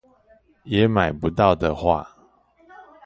也買不到的話